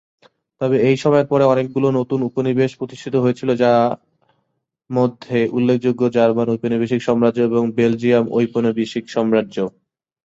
তবে এই সময়ের পরে অনেকগুলি নতুন উপনিবেশ প্রতিষ্ঠিত হয়েছিল যা মধ্যে উল্লেখযোগ্য জার্মান উপনিবেশিক সাম্রাজ্য এবং বেলজিয়াম উপনিবেশিক সাম্রাজ্য।